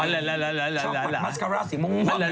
ชอบกับมัสการ้าสีม้อ